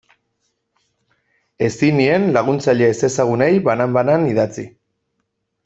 Ezin nien laguntzaile ezezagunei banan-banan idatzi.